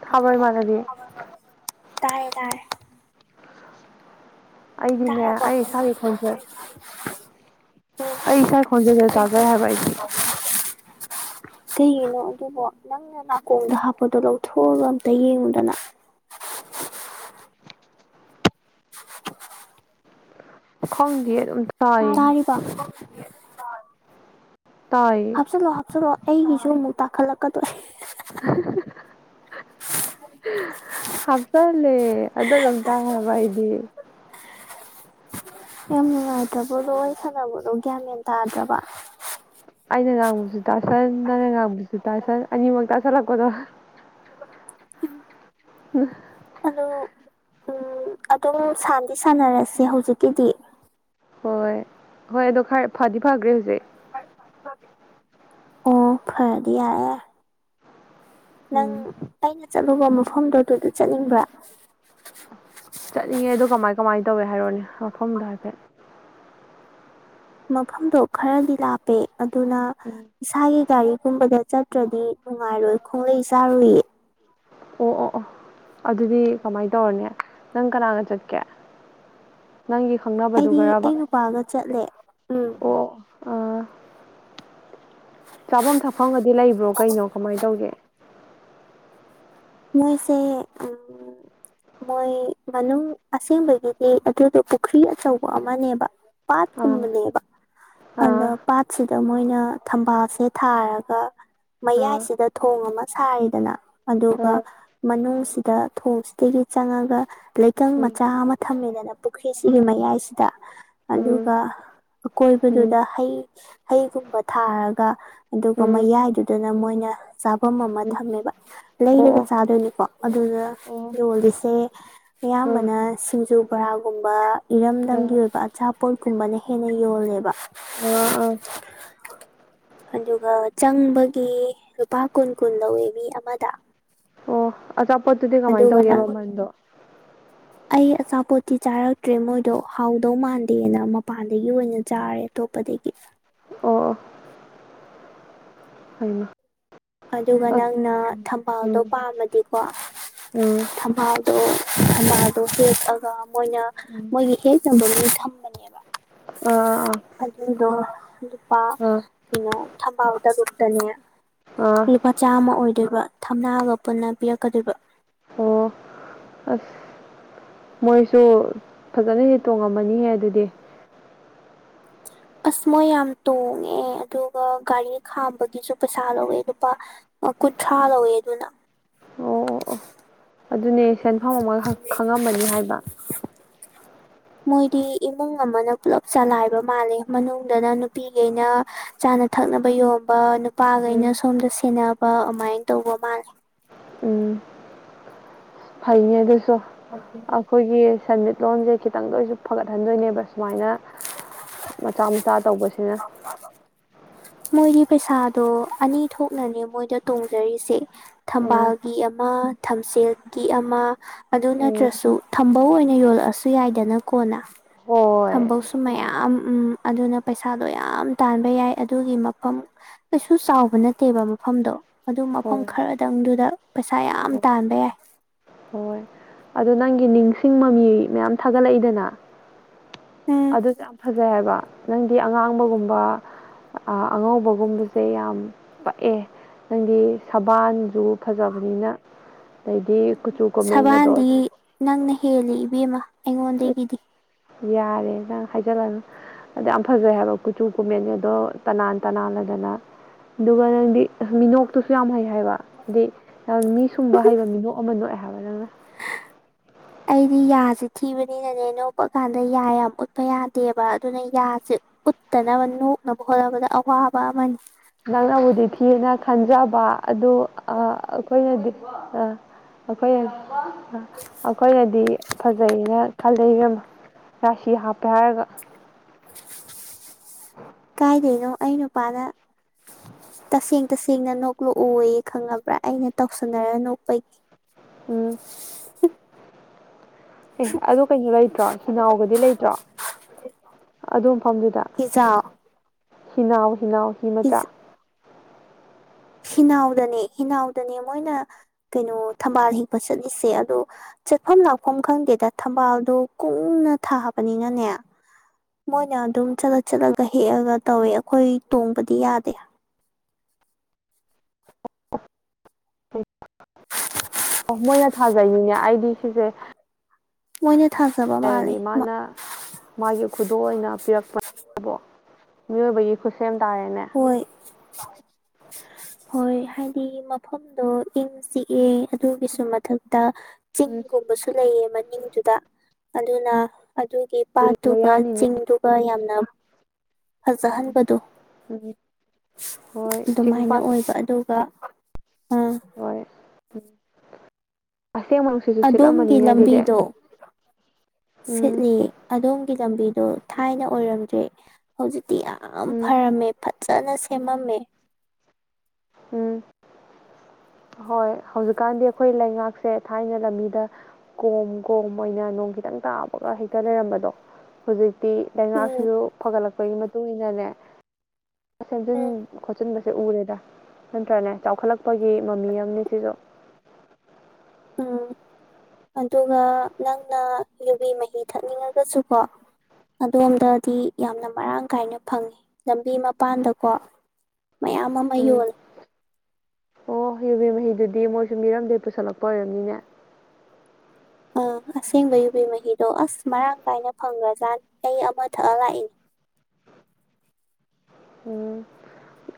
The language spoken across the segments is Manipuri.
ꯊꯥꯕ꯭ꯔ ꯏꯃꯥꯟꯅꯕꯤ ꯇꯥꯏ ꯇꯔ ꯑꯩꯗꯤꯅꯦ ꯇꯔꯕꫭ ꯑꯩ ꯏꯁꯥꯒꯤ ꯈꯣꯟꯖꯦꯜ ꯑꯩ ꯏꯁꯥ ꯈꯣꯟꯖꯦꯜꯗꯦ ꯇꯥꯖꯩ ꯍꯥꯏꯕ ꯑꯩꯗꯤ ꯀꯩꯒꯤꯅꯣ ꯑꯗꯨꯕꯨ ꯅꯪꯅ ꯅꯥꯀꯣꯡꯗ ꯍꯥꯞꯄꯗꯣ ꯂꯧꯊꯣꯛꯑꯒ ꯑꯝꯇ ꯌꯦꯡꯉꯨꯗꯅ ꯈꯣꯡꯗꯤ ꯑꯗꯨ ꯇꯥꯔꯤꯕ ꯇꯥꯏꯌꯦ ꯍꯥꯞꯆꯤꯜꯂꯣ ꯍꯥꯞꯆꯜꯂꯣ ꯑꯩꯒꯤꯁꯨ ꯑꯃꯨꯛ ꯇꯥꯈꯠꯂꯛꯀꯗꯣꯔꯦ [unintelligible] ꯍꯥꯞꯆꯜꯂꯦ ꯑꯗꯨ ꯑꯗꯨꯝ ꯇꯥꯏꯦꯕ ꯑꯩꯗꯤ ꯌꯥꯝ ꯅꯨꯡꯉꯥꯏꯇꯕ ꯂꯣꯏ ꯁꯥꯟꯅꯕꯗꯣ ꯒ꯭ꯌꯥꯟ ꯃꯦꯟ ꯇꯥꯗ꯭ꯔꯕ ꯑꯩꯅ ꯉꯥꯡꯕꯁꯨ ꯇꯥꯁꯟ ꯅꯪꯅ ꯉꯥꯡꯕꯁꯨ ꯇꯥꯁꯟ ꯑꯅꯤꯃꯛ ꯇꯥꯁꯜꯂꯛꯄꯗꯣ ꯎꯝ ꯑ ꯎꯝ ꯑꯗꯨꯝ ꯁꯥꯟꯅꯗꯤ ꯁꯥꯟꯅꯔꯁꯦ ꯍꯧꯖꯤꯛꯀꯤꯗꯤ ꯍꯣꯏ ꯍꯣꯏ ꯑꯗꯣ ꯈꯔ ꯐꯗꯤ ꯐꯈ꯭ꯔꯦ ꯍꯧꯖꯤꯛ ꯑꯣ ꯐꯔꯗꯤꯌꯥ ꯅꯪ ꯎꯝ ꯑꯩꯅ ꯆꯠꯂꯨꯕ ꯃꯐꯝꯗꯣ ꯑꯗꯨꯗ ꯆꯠꯅꯤꯡꯕ꯭ꯔꯥ ꯆꯠꯅꯤꯡꯉꯦ ꯑꯣ ꯀꯃꯥꯏ ꯀꯃꯥꯏꯅ ꯇꯧꯋꯦ ꯍꯥꯏꯔꯛꯣꯅꯦ ꯃꯐꯝꯗꯣ ꯍꯥꯏꯐꯦꯠ ꯃꯐꯝꯗꯣ ꯈꯔꯗꯤ ꯂꯥꯞꯄꯦ ꯑꯗꯨꯅ ꯎꯝ ꯏꯁꯥꯒꯤ ꯒꯥꯔꯤꯒꯨꯝꯕꯗ ꯆꯠꯇ꯭ꯔꯗꯤ ꯅꯨꯡꯉꯥꯏꯔꯣꯏ ꯈꯣꯡꯂꯩ ꯆꯥꯔꯨꯏꯌꯦ ꯑꯣ ꯑꯣ ꯑꯣ ꯑꯗꯨꯗꯤ ꯀꯃꯥꯏꯅ ꯇꯧꯔꯅꯤ ꯅꯪ ꯀꯅꯥꯅ ꯆꯠꯀꯦ ꯅꯪꯒꯤ ꯈꯪꯅꯕꯗꯨ ꯑꯩꯗꯤ ꯒꯔꯕ ꯑꯩ ꯅꯨꯄꯥꯒ ꯆꯠꯂꯦ ꯎꯝ ꯑꯣ ꯑꯣ ꯑꯥ ꯆꯥꯐꯝ ꯊꯛꯐꯝꯒꯗꯤ ꯂꯩꯕ꯭ꯔꯣ ꯀꯩꯅꯣ ꯀꯃꯥꯏꯅ ꯇꯧꯒꯦ ꯃꯣꯏꯁꯦ ꯑ ꯃꯣꯏ ꯃꯅꯨꯡ ꯑꯁꯦꯡꯕꯒꯤꯗꯤ ꯑꯗꯨꯗꯣ ꯄꯨꯈ꯭ꯔꯤ ꯑꯆꯧꯕ ꯑꯃꯅꯦꯕ ꯄꯥꯠ ꯑꯣ ꯑꯣ ꯀꯨꯝꯕꯂꯦꯕ ꯑꯗ ꯄ ꯁꯤꯗ ꯃꯣꯏꯅ ꯊꯝꯕꯥꯜꯁꯦ ꯊꯥꯔꯒ ꯃꯌꯥꯏꯁꯤꯗ ꯊꯣꯡ ꯑꯃ ꯁꯥꯔꯤꯗꯅ ꯑꯗꯨꯒ ꯃꯅꯨꯡꯁꯤꯗ ꯊꯣꯡꯁꯤꯗꯒꯤ ꯆꯪꯉꯒ ꯂꯩꯀꯪ ꯎꯝ ꯃꯆꯥ ꯑꯃ ꯊꯝꯃꯦꯗꯅ ꯄꯨꯈ꯭ꯔꯤꯁꯤꯒꯤ ꯃꯌꯥꯏꯁꯤꯗ ꯑꯗꯨꯒ ꯑꯀꯣꯏꯕꯗꯨꯗ ꯍꯩ ꯍꯩꯒꯨꯝꯕ ꯊꯥꯔꯒ ꯑꯗꯨꯒ ꯃꯌꯥꯏꯗꯨꯗꯅ ꯃꯣꯏꯅ ꯆꯥꯐꯝ ꯑꯃ ꯊꯝꯃꯦꯕ ꯂꯩꯔꯒ ꯆꯥꯗꯣꯏꯅꯤꯀꯣ ꯑꯗꯨꯅ ꯌꯣꯜꯂꯤꯁꯦ ꯑꯌꯥꯝꯕꯅ ꯁꯤꯡꯖꯨ ꯕꯔꯥꯒꯨꯝꯕ ꯏꯔꯝꯗꯝꯒꯤ ꯑꯣꯏꯕ ꯑꯆꯥꯄꯣꯠ ꯒꯨꯝꯕꯅ ꯍꯦꯟꯅ ꯌꯣꯜꯂꯦꯕ ꯑ ꯑꯥ ꯑꯗꯨꯒ ꯆꯪꯕꯒꯤ ꯂꯨꯄꯥ ꯀꯨꯟ ꯀꯨꯟ ꯂꯧꯋꯦ ꯃꯤ ꯑꯃꯗ ꯑꯣ ꯑꯆꯥꯄꯣꯠꯇꯨꯗꯤ ꯀꯃꯥꯏꯅ ꯑꯗꯨꯒ ꯇꯧꯒꯦ ꯅꯪ ꯃꯃꯟꯗꯣ ꯑꯩ ꯑꯆꯥꯄꯣꯠꯇꯤ ꯆꯥꯔꯛꯇ꯭ꯔꯦ ꯃꯣꯏꯗꯣ ꯍꯥꯎꯗꯧ ꯃꯥꯟꯗꯦꯅ ꯃꯄꯥꯟꯗꯒꯤ ꯑꯣꯏꯅ ꯆꯥꯔꯦ ꯑꯇꯣꯞꯄꯗꯒꯤ ꯑꯣ ꯍꯥꯏꯩꯅ ꯑꯗꯨꯒ ꯅꯪꯅ ꯊꯝꯕꯥꯜꯗꯣ ꯎꯝ ꯄꯥꯝꯃꯗꯤꯀꯣ ꯎꯝ ꯊꯝꯕꯥꯜꯗꯣ ꯊꯝꯕꯥꯜꯗꯣ ꯍꯦꯛꯑꯒ ꯃꯣꯏꯅ ꯎꯝ ꯃꯣꯏꯒꯤ ꯍꯦꯛ ꯆꯪꯕ ꯂꯣꯏ ꯊꯝꯕꯅꯤ ꯑ ꯑꯗꯨꯗꯣ ꯂꯨꯄꯥ ꯀꯩꯅꯣ ꯊꯝꯕꯥꯎꯗꯒꯨꯞꯇꯅꯦ ꯑꯥ ꯂꯨꯄꯥ ꯆꯥꯝꯃ ꯑꯣꯏꯗꯣꯏꯕ ꯊꯝꯅꯥꯑꯒ ꯄꯨꯟꯅ ꯄꯤꯔꯛꯀꯗꯣꯏꯕ ꯑꯣ ꯑꯁ ꯃꯣꯏꯁꯨ ꯐꯖꯅꯗꯤꯦ ꯇꯣꯡꯉꯝꯃꯅꯤꯍꯦ ꯑꯗꯨꯗꯤ ꯑꯁ ꯃꯣꯏ ꯌꯥꯝ ꯇꯣꯡꯉꯦ ꯑꯗꯨꯒ ꯒꯥꯔꯤ ꯈꯥꯝꯕꯒꯤꯁꯨ ꯄꯩꯁꯥ ꯂꯧꯋꯦ ꯑꯗꯨꯒꯨꯄꯥ ꯑꯣ ꯀꯨꯟꯊ꯭ꯔꯥ ꯂꯧꯋꯦ ꯑꯗꯨꯅ ꯑꯣ ꯑꯣ ꯑꯣ ꯑꯗꯨꯅꯦ ꯁꯦꯟꯐꯝ ꯑꯃ ꯈꯪꯉꯃꯅꯤ ꯍꯥꯏꯕ ꯃꯣꯏꯗꯤ ꯏꯃꯨꯡ ꯑꯃꯅ ꯄꯨꯜꯂꯞ ꯆꯂꯥꯏꯕ ꯃꯥꯜꯂꯦ ꯃꯅꯨꯡꯗꯅ ꯅꯨꯄꯤꯈꯩꯅ ꯆꯥꯅ ꯊꯛꯅꯕ ꯌꯣꯟꯕ ꯅꯨꯄꯥꯈꯩꯅ ꯎꯝ ꯁꯣꯝꯗ ꯁꯦꯟꯅꯕ ꯑꯗꯨꯃꯥꯏꯅ ꯇꯧꯕ ꯃꯥꯜꯂꯦ ꯎꯝ ꯐꯩꯅꯦ ꯑꯗꯨꯁꯨ ꯑꯩꯈꯣꯏꯒꯤ ꯁꯦꯟꯃꯤꯠꯂꯣꯟꯁꯦ ꯈꯤꯇꯪꯗ ꯑꯣꯏꯁꯨ ꯐꯒꯠꯍꯟꯗꯣꯏꯅꯦꯕ ꯁꯨꯃꯥꯏꯅ ꯃꯆꯥ ꯃꯆꯥ ꯇꯧꯕꯁꯤꯅ [inaudible] ꯃꯣꯏꯒꯤ ꯄꯩꯁꯥꯗꯣ ꯑꯅꯤ ꯊꯣꯛꯅꯅꯦ ꯃꯣꯏꯗ ꯇꯣꯡꯖꯔꯤꯁꯦ ꯎꯝ ꯊꯝꯕꯥꯜꯒꯤ ꯑꯃ ꯊꯝꯁꯦꯜꯒꯤ ꯑꯃ ꯑꯗꯨ ꯎꯝ ꯅꯠꯇ꯭ꯔꯁꯨ ꯊꯝꯕ ꯑꯣꯏꯅ ꯌꯣꯜꯂꯛꯑꯁꯨ ꯌꯥꯏꯗꯅꯀꯣꯅ ꯍꯣꯏ ꯊꯝꯕꯧꯁꯨ ꯃꯌꯥꯝ ꯎꯝ ꯑꯗꯨꯅ ꯄꯩꯁꯥꯗꯣ ꯌꯥꯝ ꯇꯥꯟꯕ ꯌꯥꯏ ꯑꯗꯨꯒꯤ ꯃꯐꯝ ꯀꯩꯁꯨ ꯆꯥꯎꯕ ꯅꯠꯇꯦꯕ ꯃꯐꯝꯗꯣ ꯑꯗꯨ ꯃꯐꯝ ꯍꯣꯏ ꯈꯔꯗꯪꯗꯨꯗ ꯄꯩꯁꯥ ꯌꯥꯝ ꯍꯣꯏ ꯇꯥꯟꯕ ꯌꯥꯏ ꯍꯣꯏ ꯑꯗꯨ ꯅꯪꯒꯤ ꯅꯤꯡꯁꯤꯡ ꯃꯃꯤ ꯃꯌꯥꯝ ꯊꯥꯒꯠꯂꯛꯏꯗꯅ ꯎꯝ ꯑꯗꯨꯁꯨ ꯌꯥꯝ ꯐꯖꯩ ꯍꯥꯏꯕ ꯅꯪꯗꯤ ꯑꯉꯥꯡꯕꯒꯨꯝꯕ ꯑꯉꯧꯕꯒꯨꯝꯕꯁꯦ ꯌꯥꯝ ꯄꯛꯑꯦ ꯅꯪꯒꯤ ꯁꯕꯥꯟꯁꯨ ꯐꯖꯕꯅꯤꯅ ꯑꯗꯩꯗꯤ ꯀꯨꯆꯨ ꯀꯣꯃꯦꯟꯒꯗꯣ ꯑꯗꯨꯝ ꯁꯕꯥꯟꯗꯤ ꯅꯪꯅ ꯍꯦꯜꯂ ꯏꯕꯦꯝꯃ ꯑꯩꯉꯣꯟꯗꯒꯤꯗꯤ ꯌꯥꯔꯦ ꯅꯪ ꯍꯥꯏꯖꯤꯜꯂꯅ ꯑꯗꯨꯗ ꯌꯥꯝ ꯐꯖꯩ ꯍꯥꯏꯕ ꯀꯨꯆꯨ ꯀꯨꯃꯦꯟꯁꯦ ꯑꯗꯣ ꯇꯅꯥꯟ ꯇꯅꯥꯜꯂꯗꯅ ꯑꯗꯨꯒ ꯅꯪꯗꯤ ꯑ ꯃꯤꯅꯣꯛꯇꯨꯁꯨ ꯌꯥꯝ ꯍꯩ ꯍꯥꯏꯕ ꯍꯥꯏꯗꯤ ꯌꯥꯝ ꯃꯤ ꯁꯨꯝꯕ ꯍꯩꯕ ꯃꯤꯅꯣꯛ ꯑꯃ ꯅꯣꯛꯑ ꯍꯥꯏꯕ ꯅꯪꯅ ꯑꯩꯗꯤ ꯌꯥꯁꯤ ꯊꯤꯕꯅꯤꯅꯅꯦ ꯅꯣꯛꯄ ꯀꯥꯟꯗ ꯌꯥ ꯌꯥꯝ ꯎꯠꯄ ꯌꯥꯗꯦꯕ ꯑꯗꯨꯅ ꯌꯥꯁ ꯎꯠꯇꯅꯕ ꯅꯣꯛꯅꯕ ꯍꯣꯠꯅꯕꯗ ꯑꯋꯥꯕ ꯑꯃꯅꯤ ꯅꯪꯅꯕꯨꯗꯤ ꯊꯤꯑꯅ ꯈꯟꯖꯕ ꯑꯗꯨ ꯑꯩꯈꯣꯏꯅꯗꯤ ꯑꯩꯈꯣꯏꯅ ꯑꯩꯈꯣꯏꯅꯗꯤ ꯐꯖꯅ ꯈꯜꯂꯕꯃ ꯔꯁꯤ ꯍꯥꯞꯄꯦ ꯍꯥꯏꯒ [inaudible] ꯀꯥꯏꯗꯣꯏꯅꯣ ꯑꯩ ꯅꯨꯄꯥꯅ ꯇꯁꯦꯡ ꯇꯁꯦꯡꯅ ꯅꯣꯛꯂꯛꯑꯣꯌꯦ ꯈꯪꯉꯕ꯭ꯔꯥ ꯑꯩꯅ ꯎꯝ ꯇꯧꯁꯟꯅꯔ ꯅꯣꯛꯄꯒꯤ ꯎꯝ ꯑꯦ ꯑꯗꯨ ꯀꯩꯅꯣ ꯂꯩꯇ꯭ꯔꯣ ꯍꯤꯅꯥꯎꯒꯗꯤ ꯂꯩꯇ꯭ꯔꯣ ꯑꯗꯨ ꯃꯐꯝꯗꯨꯗ ꯍꯤꯖꯥꯎ ꯍꯤꯅꯥꯎ ꯍꯤꯅꯥꯎ ꯍꯤ ꯃꯆꯥ ꯍꯤꯖꯥꯎ ꯍꯤꯅꯥꯎꯗꯅꯦ ꯍꯤꯅꯥꯎꯗꯅꯦ ꯃꯣꯏꯅ ꯀꯩꯅꯣ ꯊꯝꯕꯥꯜ ꯍꯦꯛꯄ ꯆꯠꯂꯤꯁꯦ ꯑꯗꯣ ꯆꯠꯐꯝ ꯂꯥꯛꯐꯝ ꯈꯪꯗꯦꯗ ꯊꯝꯕꯥꯜꯗ ꯀꯨꯡꯅ ꯊꯥꯕꯅꯤꯅꯅꯦ ꯃꯣꯏꯅ ꯑꯗꯨꯝ ꯆꯠꯂ ꯆꯠꯂꯒ ꯍꯦꯛꯑꯒ ꯇꯧꯋꯦ ꯑꯩꯈꯣꯏ ꯇꯣꯡꯕꯗꯤ ꯌꯥꯗꯦ ꯎꯝ ꯃꯣꯏꯅ ꯊꯥꯖꯩꯅꯤꯅꯦ ꯑꯩꯗꯤ ꯁꯤꯁꯦ ꯃꯣꯏꯅꯦ ꯊꯥꯖꯕ ꯂꯩꯔꯝꯃꯤ ꯃꯥꯜꯂꯦ ꯃꯥꯅ ꯃꯥꯒꯤ ꯈꯨꯗꯣꯜ ꯑꯣꯏꯅ ꯄꯤꯔꯛꯄ ꯃꯤꯑꯣꯏꯕꯒꯤ ꯈꯨꯠꯁꯦꯝ ꯇꯥꯔꯦꯅꯦ ꯍꯣꯌ ꯍꯣꯏ ꯍꯥꯏꯗꯤ ꯃꯐꯝꯗꯣ ꯏꯪ ꯆꯤꯛꯑꯦ ꯑꯗꯨꯒꯤꯁꯨ ꯃꯊꯛ ꯗ ꯎꯝ ꯆꯤꯡꯒꯨꯝꯕꯁꯨ ꯂꯩꯑ ꯃꯅꯤꯡꯗꯨꯗ ꯑꯗꯨꯅ ꯑꯗꯨꯒꯤ ꯀꯩꯅꯣ ꯄꯥꯠꯇꯨꯒ ꯌꯥꯅꯤꯅꯦ ꯆꯤꯡꯗꯨꯒ ꯌꯥꯝꯅ ꯐꯖꯍꯟꯕꯗꯣ ꯎꯝ ꯍꯣꯏ ꯆꯤꯡ ꯑꯗꯨꯃꯥꯏꯅ ꯄꯥꯠ ꯑꯣꯏꯕ ꯑꯗꯨꯒ ꯑꯥ ꯍ ꯑꯁ ꯃ ꯑꯗꯣꯝꯒꯤ ꯂꯝꯕꯤꯗꯣ ꯎꯝ ꯁꯤꯠꯂꯤ ꯑꯗꯣꯝꯒꯤ ꯂꯝꯕꯤꯗꯣ ꯊꯥꯏꯅ ꯑꯣꯏꯔꯝꯗ꯭ꯔꯦ ꯍꯧꯖꯤꯛꯇꯤ ꯌꯥꯝ ꯎꯝ ꯐꯔꯝꯃꯦ ꯐꯖꯅ ꯁꯦꯝꯃꯝꯃꯦ ꯎꯝ ꯍꯣꯏ ꯍꯧꯖꯤꯛꯀꯥꯟꯗꯤ ꯑꯩꯈꯣꯏ ꯂꯩꯉꯥꯛꯁꯦ ꯊꯥꯏꯅ ꯂꯝꯕꯤꯗ ꯀꯣꯝ ꯀꯣꯝ ꯑꯣꯏꯅ ꯅꯣꯡ ꯈꯤꯇꯪ ꯇꯥꯕꯒ ꯍꯦꯛꯇ ꯂꯩꯔꯝꯕꯗꯣ ꯍꯧꯖꯤꯛꯇꯤ ꯎꯝ ꯂꯩꯉꯥꯛꯁꯤꯁꯨ ꯐꯒꯠꯂꯛꯄꯒꯤ ꯃꯇꯨꯡ ꯏꯟꯅꯅꯦ ꯁꯦꯝꯖꯤꯟ ꯎꯝ ꯈꯣꯠꯆꯤꯟꯕꯁꯦ ꯎꯔꯦꯗ ꯅꯠꯇ꯭ꯔꯅꯦ ꯆꯥꯎꯈꯠꯂꯛꯄꯒꯤ ꯃꯃꯤ ꯑꯃꯅꯤꯅꯦ ꯁꯤꯁꯨ ꯎꯝ ꯑꯗꯨꯒ ꯅꯪꯅ ꯌꯨꯕꯤ ꯃꯍꯤ ꯊꯛꯅꯤꯡꯉꯒꯁꯨꯀꯣ ꯑꯗꯣꯝꯗꯗꯤ ꯌꯥꯝꯅ ꯃꯔꯥꯡ ꯀꯥꯏꯅ ꯐꯪꯉꯤ ꯂꯝꯕꯤ ꯃꯄꯥꯟꯗꯀꯣ [unintelligible] ꯃꯌꯥꯝ ꯑꯃ ꯎꯝ ꯌꯣꯜꯂꯦ ꯑꯣ ꯌꯨꯕꯤ ꯃꯍꯤꯗꯨꯗꯤ ꯃꯣꯏꯁꯨ ꯃꯤꯔꯝꯗꯩ ꯄꯨꯁꯜꯂꯛꯄ ꯑꯣꯏꯔꯝꯅꯤꯅꯦ ꯑꯥ ꯑꯁꯦꯡꯕ ꯌꯨꯕꯤ ꯃꯍꯤꯗꯣ ꯑꯁ ꯃꯔꯥꯡ ꯀꯥꯏꯅ ꯐꯪꯒ꯭ꯔꯖꯥꯠ ꯑꯩ ꯑꯃ ꯊꯛꯑ ꯂꯥꯛꯏꯅꯦ ꯎꯝ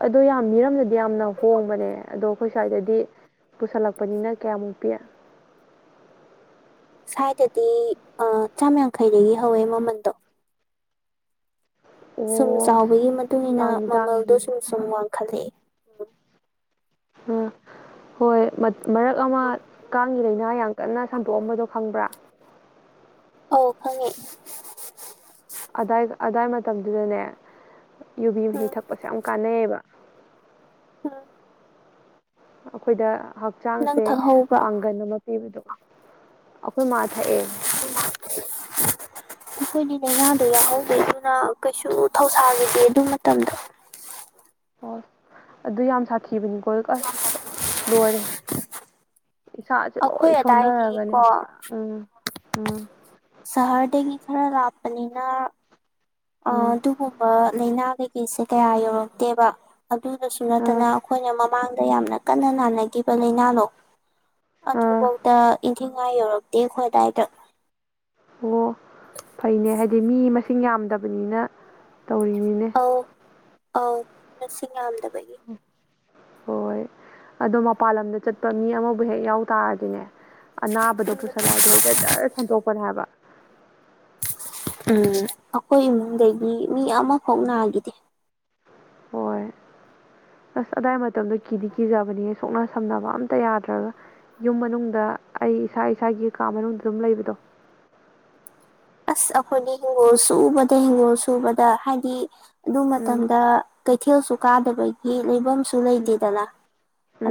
ꯑꯗꯣ ꯌꯥꯝ ꯃꯤꯔꯝꯗꯗꯤ ꯌꯥꯝꯅ ꯍꯣꯡꯕꯅꯦ ꯑꯗꯣ ꯑꯩꯈꯣꯏ ꯁ꯭ꯋꯥꯏꯗꯗꯤ ꯄꯨꯁꯜꯂꯛꯄꯅꯤꯅ ꯀꯌꯥꯃꯨꯛ ꯄꯤ ꯁ꯭ꯋꯥꯏꯗꯗꯤ ꯑ ꯆꯥꯝ ꯌꯥꯡꯈꯩꯗꯒꯤ ꯍꯧꯋꯦ ꯃꯃꯟꯗꯣ ꯁꯨꯝ ꯑꯣ ꯆꯥꯎꯕꯒꯤ ꯃꯇꯨꯡ ꯏ ꯃꯇꯨꯡꯏꯟꯅ ꯇꯥꯡꯗꯤ ꯃꯃꯜꯗꯣ ꯇꯥꯡꯉꯤ ꯁꯨꯝ ꯁꯨꯝ ꯋꯥꯡꯈꯠꯂꯛꯑꯦ ꯑꯥ ꯍꯣꯏ ꯃꯔꯛ ꯑꯃ ꯀꯥꯡꯒꯤ ꯂꯥꯏꯅꯥ ꯌꯥꯝ ꯀꯟꯅ ꯁꯟꯗꯣꯛꯑꯝꯕꯗꯣ ꯈꯪꯕ꯭ꯔꯥ ꯑꯧ ꯈꯪꯉꯦ ꯑꯗꯥꯏ ꯑꯗꯥꯏ ꯃꯇꯝꯗꯨꯗꯅꯦ ꯌꯨꯕꯤ ꯃꯍꯤ ꯎꯝ ꯊꯛꯄꯁꯦ ꯌꯥꯝ ꯀꯥꯟꯅꯩꯑꯕ ꯎꯝ ꯑꯩꯈꯣꯏꯗ ꯅꯪ ꯍꯛꯆꯥꯡꯁꯦ ꯊꯛꯍꯧꯕ꯭ꯔꯣ ꯄꯥꯡꯒꯟ ꯑꯃ ꯄꯤꯕꯗꯣ ꯑꯩꯈꯣꯏ ꯃꯥ ꯊꯛꯑꯦ [unintelligible] ꯑꯩꯈꯣꯏꯗꯤ ꯂꯥꯏꯅꯥꯗꯣ ꯌꯥꯎꯍꯧꯗꯦ ꯑꯗꯨꯅ ꯀꯩꯁꯨ ꯊꯧꯁꯥꯈꯤꯗꯦ ꯑꯗꯨ ꯃꯇꯝꯗꯣ ꯑꯣ ꯑꯗꯨ ꯌꯥꯝ ꯁꯥꯊꯤꯕꯅꯤ ꯍꯣꯏ ꯑꯁ ꯂꯣꯏꯔꯦ ꯏꯁꯥꯁꯦ ꯂꯣꯏ ꯑꯩꯈꯣꯏ ꯁꯣꯟꯊꯔꯒꯅꯦ ꯑꯗꯥꯏꯗꯤꯀꯣ ꯄꯨꯔꯥ ꯎꯝ ꯎꯝ ꯁꯍꯔꯗꯒꯤ ꯈꯔ ꯂꯥꯞꯄꯅꯤꯅ ꯑ ꯎꯝ ꯑꯗꯨꯒꯨꯝꯕ ꯂꯥꯏꯅꯥ ꯀꯩꯀꯩꯁꯦ ꯀꯌꯥ ꯌꯧꯔꯛꯇꯦꯕ ꯑꯗꯨꯗꯁꯨ ꯅꯠꯇꯅ ꯑꯥ ꯑꯩꯈꯣꯏꯅ ꯃꯃꯥꯡꯗ ꯌꯥꯝꯅ ꯀꯟꯅ ꯅꯥꯅꯈꯤꯕ ꯂꯥꯏꯅꯥꯗꯣ ꯑꯥ ꯑꯗꯨꯐꯧꯗ ꯏꯟꯊꯤ ꯅꯨꯡꯉꯥꯏ ꯌꯧꯔꯛꯇꯦ ꯑꯩꯈꯣꯏ ꯑꯗꯥꯏꯗ ꯑꯣ ꯐꯩꯅꯦ ꯍꯥꯏꯗꯤ ꯃꯤ ꯃꯁꯤꯡ ꯌꯥꯝꯗꯕꯅꯤꯅ ꯇꯧꯔꯤꯅꯤꯅꯦ ꯑꯥꯎ ꯑꯥꯎ ꯃꯁꯤꯡ ꯌꯥꯝꯗꯕꯒꯤ ꯍꯣꯏ ꯑꯗꯣ ꯃꯄꯜ ꯂꯝꯗ ꯆꯠꯄ ꯃꯤ ꯑꯃꯕꯨ ꯍꯦꯛ ꯌꯥꯎ ꯇꯥꯔꯗꯤꯅꯦ ꯑꯅꯥꯕꯗꯣ ꯎꯝ ꯄꯨꯁꯜꯂꯛꯑꯗꯤ ꯍꯛꯇ ꯖꯔ ꯁꯟꯗꯣꯛꯄꯅꯦ ꯍꯥꯏꯕ ꯎꯝ ꯑꯩꯈꯣꯏ ꯏꯃꯨꯡꯗꯒꯤ ꯃꯤ ꯑꯃꯐꯧ ꯅꯈꯤꯗꯦ ꯍꯣꯏ ꯑꯁ ꯑꯗꯥꯏ ꯃꯇꯝꯗꯣ ꯀꯤꯗꯤ ꯀꯤꯖꯕꯅꯤꯍ‌ꯦ ꯁꯣꯛꯅ ꯁꯝꯅꯕ ꯑꯝꯇ ꯌꯥꯗ꯭ꯔꯒ ꯌꯨꯝ ꯃꯅꯨꯡꯗ ꯑꯩ ꯏꯁꯥ ꯏꯁꯥꯒꯤ ꯀꯥ ꯃꯅꯨꯡꯗ ꯑꯗꯨꯝ ꯂꯩꯕꯗꯣ ꯑꯁ ꯑꯩꯈꯣꯏꯗꯤ ꯍꯤꯡꯒꯣꯜ ꯁꯨꯕꯗ ꯍꯤꯡꯒꯣꯜ ꯁꯨꯕꯗ ꯍꯥꯏꯗꯤ ꯑꯗꯨ ꯎꯝ ꯃꯇꯝꯗ ꯀꯩꯊꯦꯜꯁꯨ ꯀꯥꯗꯕꯒꯤ ꯂꯩꯐꯝ ꯁꯨ ꯎꯝ ꯂꯩꯇꯦꯗꯅ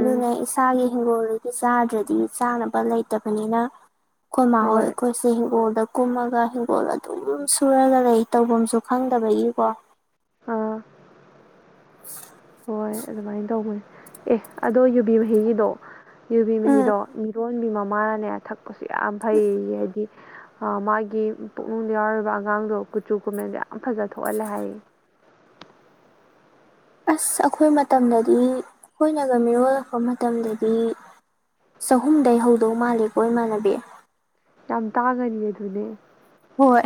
ꯎꯝ ꯏꯁꯥꯒꯤ ꯍꯤꯡꯒꯣꯜ ꯆꯥꯗ꯭ꯔꯗꯤ ꯆꯥꯅꯕ ꯂꯩꯇꯕꯅꯤꯅ ꯑꯩꯈꯣꯏ ꯃꯥ ꯈꯣꯏ ꯍꯣꯏ ꯑꯩꯈꯣꯏꯁꯨ ꯍꯤꯡꯒꯣꯜꯗ ꯀꯨꯝꯃꯒ ꯍꯤꯡꯒꯣꯜ ꯑꯗꯨꯝ ꯁꯨꯔꯒ ꯂꯩ ꯇꯧꯐꯝꯁꯨ ꯈꯪꯗꯕꯒꯤꯀꯣ ꯑꯥ [inaudible] ꯍ‌ꯣꯏ ꯑꯗꯨꯃꯥꯏꯅ ꯇꯧꯕꯅꯦ ꯑꯦ ꯑꯗꯣ ꯌꯨꯕꯤ ꯃꯍꯤꯒꯤꯗꯣ ꯌꯨꯕꯤ ꯎꯝ ꯃꯍꯤꯗꯣ ꯃꯤꯔꯣꯟꯕꯤ ꯃꯃꯥꯅꯅꯦ ꯊꯛꯄꯁꯨ ꯌꯥꯝ ꯐꯩ ꯍꯥꯏꯗꯤ ꯑꯥ ꯃꯥꯒꯤ ꯄꯨꯛꯅꯨꯡꯗ ꯌꯥꯎꯔꯤꯕ ꯑꯉꯥꯡꯗꯣ ꯀꯨꯆꯨ ꯀꯨꯝꯃꯦꯟꯗꯣ ꯌꯥꯝ ꯐꯖ ꯊꯣꯛꯍꯜꯂꯦ ꯍꯥꯏꯌꯦ ꯑꯁ ꯑꯩꯈꯣꯏ ꯃꯇꯝꯗꯗꯤ ꯑꯩꯈꯣꯏꯅꯒ ꯃꯤꯔꯣꯜꯂꯛꯄ ꯃꯇꯝꯗꯗꯤ ꯆꯍꯨꯝꯗꯩ ꯍꯧꯗꯧ ꯃꯥꯜꯂꯤꯀꯣ ꯏꯃꯥꯟꯅꯕꯤ ꯌꯥꯝ ꯇꯥꯡꯒꯅꯤꯌ‌ꯦ ꯑꯗꯨꯗꯤ ꯍꯣꯏ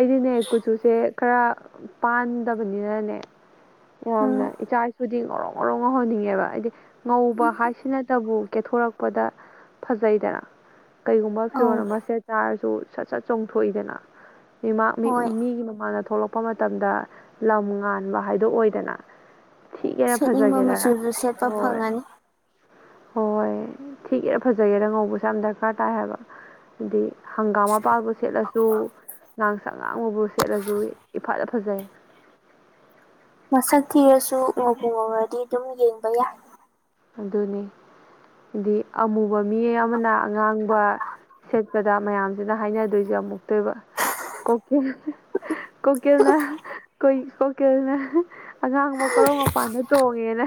ꯑꯩꯗꯤꯅꯦ ꯀꯨꯆꯨꯁꯦ ꯈꯔ ꯄꯥꯟꯗꯕꯅꯤꯅꯅꯦ ꯌꯥꯝꯅ ꯎꯝ ꯏꯆꯥ ꯏꯁꯨꯗꯤ ꯉꯧꯔ‌ꯣꯛ ꯉꯧꯔꯣꯛ ꯉꯧꯍꯟꯅꯤꯡꯉꯦꯕ ꯍꯥꯏꯗꯤ ꯉꯧꯕ ꯍꯥꯏꯁꯤꯅꯇꯕꯨ ꯀꯦꯊꯣꯔꯛꯄꯗ ꯐꯖꯩꯗꯅ ꯀꯩꯒꯨꯝꯕ ꯑꯧ ꯐꯤꯔꯣꯜ ꯑꯃ ꯁꯦꯠ ꯆꯥꯔꯁꯨ ꯁꯠ ꯁꯠ ꯆꯣꯡꯊꯣꯛꯏꯗꯅ ꯃꯤꯃꯥꯡ ꯍꯣꯏ ꯃꯤꯒꯤ ꯃꯃꯥꯟꯗ ꯊꯣꯛꯂꯛꯄ ꯃꯇꯝꯗ ꯂꯝ ꯉꯥꯟꯕ ꯍꯥꯏꯗꯣ ꯑꯣꯏꯗꯅ ꯊꯤꯒꯦꯔ ꯁꯦꯠꯅꯤꯡꯕ ꯐꯖꯒꯦꯔ ꯃꯆꯨꯁꯨ ꯁꯦꯠꯄ ꯍ‌ꯣꯏ ꯐꯪꯉꯅꯤ ꯍꯣꯏ ꯊꯤꯒꯦꯔꯥ ꯐꯖꯒꯦꯔ ꯉꯧꯕꯁ‌ꯦ ꯌꯥꯝ ꯗꯔꯀꯥꯔ ꯇꯥꯏ ꯍꯥꯏꯕ ꯍꯥꯏꯗꯤ ꯍꯪꯒꯥꯝ ꯃꯥ ꯃꯄꯥꯜꯕꯨ ꯁꯦꯠꯂꯁꯨ ꯉꯥꯡꯁꯪ ꯉꯥꯡꯕꯕꯨ ꯁꯦꯠꯂꯁꯨ ꯏꯐꯥꯗ ꯐꯖꯩ ꯃꯁꯛ ꯊꯤꯔꯁꯨ ꯉꯧꯕꯨ ꯉꯧꯔꯗꯤ ꯑꯗꯨꯝ ꯌꯦꯡꯕ ꯌꯥꯏ ꯑꯗꯨꯅꯤ ꯍꯥꯏꯗꯤ ꯑꯃꯨꯕ ꯃꯤ ꯑꯃꯅ ꯑꯉꯥꯡꯕ ꯁꯦꯠꯄꯗ ꯃꯌꯥꯝꯁꯤꯅ ꯍꯥꯏꯅꯗꯣꯏꯁꯦ ꯑꯃꯨꯛꯇꯣꯏꯕ ꯀꯨꯀꯤꯜꯅ ꯀꯣꯏ ꯀꯨꯀꯤꯜꯅ ꯑꯉꯥꯡꯕ ꯀ‌ꯣꯔꯧ ꯃꯄꯥꯟꯗ ꯇꯣꯡꯉꯦꯅ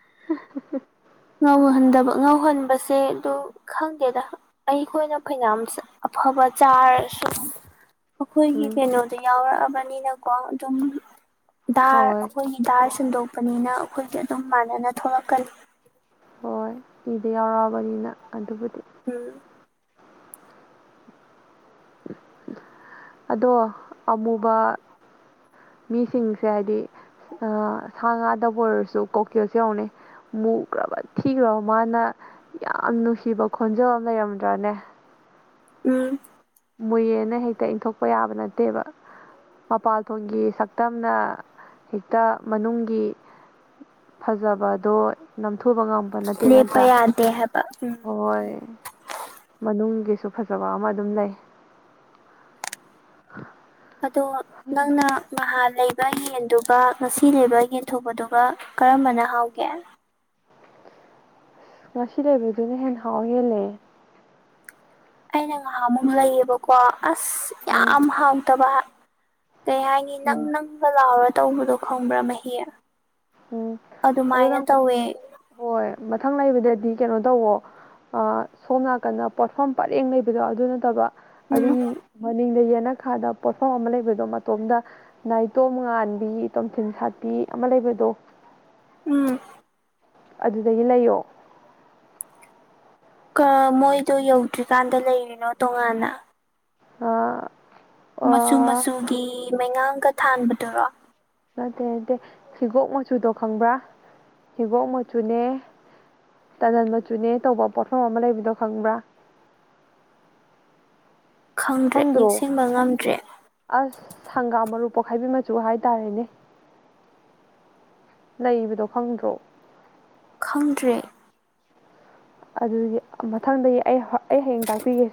[inaudible] ꯉꯧꯍꯟꯗꯕ ꯉꯧꯍꯟꯕꯁꯦ ꯑꯗꯨ ꯈꯪꯗꯦꯗ ꯑꯩꯈꯣꯏꯅ ꯐꯩꯅꯥꯌꯥꯝ ꯑꯐꯕ ꯆꯥꯔꯁꯨ ꯑꯩꯈꯣꯏꯒꯤ ꯎꯝ ꯀꯩꯅꯣꯗ ꯌꯥꯎꯔꯛꯑꯕꯅꯤꯅꯀꯣ ꯑꯗꯨꯝ ꯗꯥꯔ ꯍꯣꯏ ꯑꯩꯈꯣꯏ ꯗꯥꯔ ꯁꯟꯗꯣꯛꯄꯅꯤꯅ ꯑꯩꯈꯣꯏꯗꯤ ꯑꯗꯨꯝ ꯃꯥꯟꯅꯅ ꯊꯣꯛꯂꯛꯀꯅꯤ ꯍꯣꯏ ꯏꯗ ꯌꯥꯎꯔꯛꯑꯕꯅꯤꯅ ꯑꯗꯨꯕꯨꯗꯤ ꯎꯝ ꯑꯗꯣ ꯑꯃꯨꯕ ꯃꯤꯁꯤꯡꯁꯦ ꯍꯥꯏꯗꯤ ꯁꯥ ꯉꯥꯗꯕꯨ ꯑꯣꯏꯔꯁꯨ ꯀꯣꯀꯤꯜꯁꯦ ꯌꯦꯉꯨꯅꯦ ꯃꯨꯈ꯭ꯔꯕ ꯊꯤꯈ꯭ꯔꯕ ꯃꯥꯅ ꯌꯥꯝ ꯅꯨꯡꯁꯤꯕ ꯈꯣꯟꯖꯦꯜ ꯑꯃ ꯂꯩꯔꯝꯗ꯭ꯔꯅꯦ ꯎꯝ ꯃꯨꯏꯌꯦꯅ ꯍꯦꯛꯇ ꯏꯟꯊꯣꯛꯄ ꯌꯥꯕ ꯅꯠꯇꯦꯕ ꯃꯄꯥꯜꯊꯣꯡꯒꯤ ꯁꯛꯇꯝꯅ ꯍꯦꯛꯇ ꯃꯅꯨꯡꯒꯤ ꯐꯖꯕꯗꯣ ꯅꯝꯊꯨꯕ ꯉꯝꯕ ꯅꯠꯇꯦ ꯂꯦꯞꯄ ꯅꯠꯇ꯭ꯔꯥ ꯌꯥꯗꯦ ꯍꯥꯏꯕ ꯎꯝ ꯍꯣꯏ ꯃꯅꯨꯡꯒꯤꯁꯨ ꯐꯖꯕ ꯑꯃ ꯑꯗꯨꯝ ꯂꯩ [inaudible] ꯑꯗꯣ ꯅꯪꯅ ꯃꯍꯥ ꯂꯩ ꯌꯦꯟꯗꯨꯒ ꯉꯁꯤ ꯂꯩꯕ ꯌꯦꯟꯗꯣꯡꯕꯗꯨꯒ ꯀꯔꯝꯕꯅ ꯍꯥꯎꯒꯦ ꯉꯁꯤ ꯂꯩꯕꯗꯨꯅ ꯍꯦꯟ ꯍꯥꯎ ꯍꯦꯜꯂꯦ ꯑꯩꯅ ꯉꯍꯥꯃꯨꯛ ꯂꯩꯌꯦꯕꯀꯣ ꯑꯁ ꯎꯝ ꯌꯥꯝ ꯍꯥꯎꯇꯕ ꯀꯩ ꯍꯥꯏꯅꯤ ꯅꯪ ꯎꯝ ꯅꯪꯒ ꯂꯥꯎꯔ ꯇꯧꯕꯗꯣ ꯈꯪꯕ꯭ꯔꯥ ꯃꯍꯤ ꯎꯝ ꯑꯗꯨ ꯑꯗꯨꯃꯥꯏꯅ ꯅꯪ ꯇꯧꯋꯦ ꯍꯣꯏ ꯃꯊꯪ ꯂꯩꯕꯗꯗꯤ ꯀꯩꯅꯣ ꯇꯧꯋꯣ ꯁꯣꯝ ꯅꯥꯀꯟꯗ ꯄꯣꯠꯐꯝ ꯄꯔꯦꯡ ꯂꯩꯕꯗꯣ ꯑꯗꯨ ꯅꯠꯇꯕ ꯎꯝ ꯑꯗꯨꯒꯤ ꯃꯅꯤꯡꯗ ꯌꯦꯟꯅꯈꯥꯗ ꯄꯣꯠꯐꯝ ꯑꯃ ꯂꯩꯕꯗꯣ ꯃꯇꯣꯝꯗ ꯅꯥꯏꯇꯣꯝ ꯉꯥꯟꯕꯤ ꯇꯣꯝꯊꯤꯟ ꯁꯥꯠꯄꯤ ꯑꯃ ꯂꯩꯕꯗꯣ ꯎꯝ ꯑꯗꯨꯗꯒꯤ ꯂꯩꯌꯣ ꯀꯥ ꯃꯣꯏꯗꯣ ꯌꯧꯗ꯭ꯔꯤꯀꯥꯟꯗ ꯂꯩꯔꯤꯅꯣ ꯇꯣꯉꯥꯟꯅ ꯑꯥ ꯃꯆꯨ ꯑꯥ ꯃꯆꯨꯒꯤ ꯃꯩꯉꯥꯡꯒ ꯊꯥꯟꯕꯗꯨꯔꯣ ꯅꯠꯇꯦ ꯅꯠꯇꯦ ꯍꯤꯒꯣꯛ ꯃꯆꯨꯗꯣ ꯈꯪꯕ꯭ꯔꯥ ꯍꯤꯒꯣꯛ ꯃꯆꯨꯅꯦ ꯇꯅꯗꯟ ꯃꯆꯨꯅꯦ ꯇꯧꯕ ꯄꯣꯠꯐꯝ ꯑꯃ ꯂꯩꯕꯗꯣ ꯈꯪꯕ꯭ꯔꯥ ꯈꯪꯗ꯭ꯔꯦ ꯈꯪꯗ꯭ꯔꯣ ꯅꯤꯡꯁꯤꯡꯕ ꯉꯝꯗ꯭ꯔꯦ ꯑꯁ ꯍꯪꯒꯥꯝ ꯃꯔꯨ ꯄꯣꯛꯈꯥꯏꯕꯤ ꯃꯆꯨ ꯍꯥꯏꯇꯥꯔꯦꯅꯦ ꯂꯩꯕꯗꯣ ꯈꯪꯗ꯭ꯔꯣ ꯈꯪꯗ꯭ꯔꯦ ꯑꯗꯨꯗꯤ ꯃꯊꯪꯗꯗꯒꯤ ꯑꯩ ꯑꯩ ꯍꯌꯦꯡ ꯇꯥꯛꯄꯤꯒꯦ